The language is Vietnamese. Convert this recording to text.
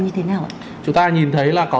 như thế nào ạ chúng ta nhìn thấy là có